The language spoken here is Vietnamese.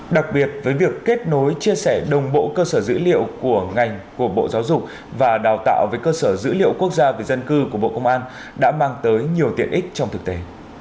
đặc biệt với việc kết nối chia sẻ đồng bộ cơ sở dữ liệu của ngành của bộ giáo dục và đào tạo với cơ sở dữ liệu quốc gia về dân cư của bộ công an đã mang tới nhiều tiện ích trong thực tế